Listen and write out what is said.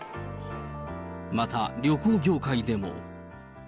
また、旅行業界でも。